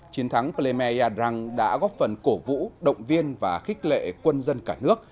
chiến thắng palerme yadrang đã góp phần cổ vũ động viên và khích lệ quân dân cả nước